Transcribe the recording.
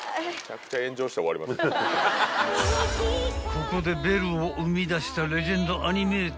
［ここでベルを生み出したレジェンドアニメーターが］